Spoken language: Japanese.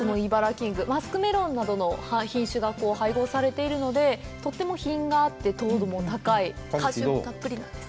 キング、マスクメロンなどの品種が配合されているので、とっても品があって糖度も高く、果汁もたっぷりなんです。